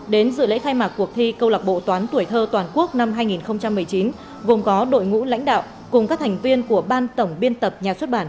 đến dự lễ khai mạc cuộc thi câu lạc bộ toán tuổi thơ toàn quốc năm hai nghìn một mươi chín gồm có đội ngũ lãnh đạo cùng các thành viên của ban tổng biên tập nhà xuất bản